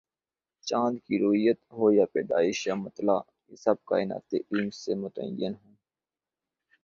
چاند کی رویت ہو یا پیدائش یا مطلع، یہ سب کائناتی علم سے متعین ہوں۔